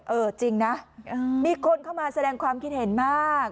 เออจริงนะมีคนเข้ามาแสดงความคิดเห็นมาก